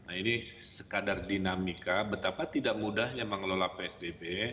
nah ini sekadar dinamika betapa tidak mudahnya mengelola psbb